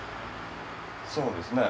そうですね。